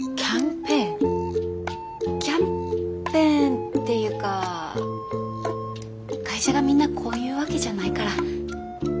キャンペーンっていうか会社がみんなこういうわけじゃないから。